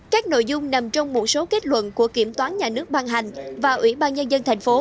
các nội dung nằm trong một số kết luận của kiểm toán nhà nước ban hành và ủy ban nhân dân thành phố